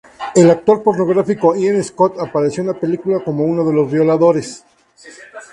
El actor pornográfico Ian Scott apareció en la película como uno de los violadores.